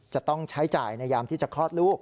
จะต้องใช้จ่ายในยามที่จะคลอดลูก